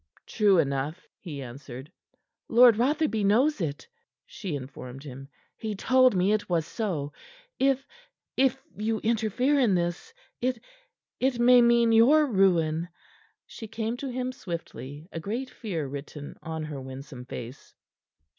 "True enough," he answered. "Lord Rotherby knows it," she informed him. "He told me it was so. If if you interfere in this, it it may mean your ruin." She came to him swiftly, a great fear written or her winsome face.